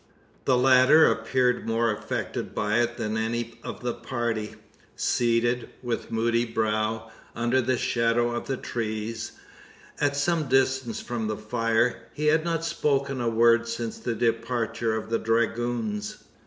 The latter appeared more affected by it than any of the party! Seated, with moody brow, under the shadow of the trees, at some distance from the fire, he had not spoken a word since the departure of the dragoons.